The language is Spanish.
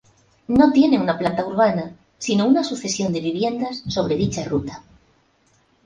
No tiene una planta urbana sino una sucesión de viviendas sobre dicha ruta.